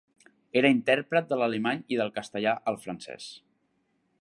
Era intèrpret de l'alemany i del castellà al francès.